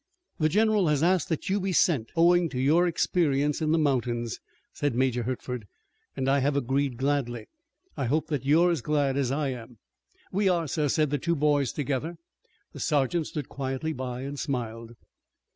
"The general has asked that you be sent owing to your experience in the mountains," said Major Hertford, "and I have agreed gladly. I hope that you're as glad as I am." "We are, sir," said the two boys together. The sergeant stood quietly by and smiled.